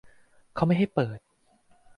เขาไม่ให้เปิด